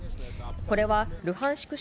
これはルハンシク